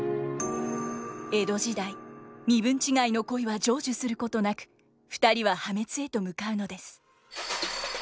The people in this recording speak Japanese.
江戸時代身分違いの恋は成就することなく２人は破滅へと向かうのです。